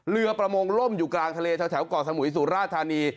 เรือประมงล่มอยู่กลางทะเลแถวก่อสมุยสุราธานี